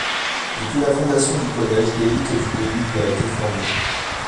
Depuis la fondation du collège, l'élite du pays y a été formée.